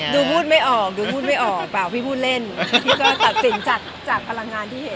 ดูพูดไม่ออกป่าวพี่พูดเล่นพี่ก็ตัดสินจากพลังงานที่เห็น